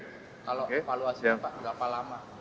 kalau evaluasi berapa lama masalahnya